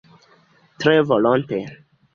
Tre volonte.